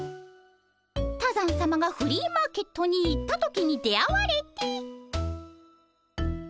多山さまがフリーマーケットに行った時に出会われて。